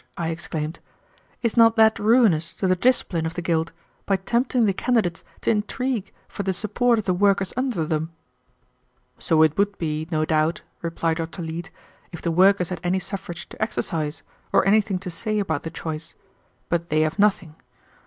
I exclaimed. "Is not that ruinous to the discipline of the guild, by tempting the candidates to intrigue for the support of the workers under them?" "So it would be, no doubt," replied Dr. Leete, "if the workers had any suffrage to exercise, or anything to say about the choice. But they have nothing.